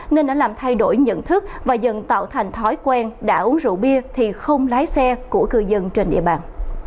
nên đã làm thay đổi nhận thức và dần tạo thành thói quen đã uống rượu bia thì không lái xe của cư dân trên địa bàn